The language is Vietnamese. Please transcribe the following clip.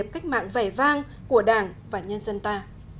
cách mạng vẻ vang của đảng và nhân dân ta